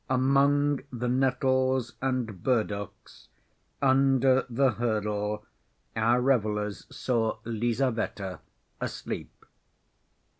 Among the nettles and burdocks under the hurdle our revelers saw Lizaveta asleep.